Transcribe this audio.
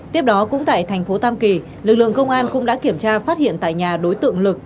tiếp đó cũng tại thành phố tam kỳ lực lượng công an cũng đã kiểm tra phát hiện tại nhà đối tượng lực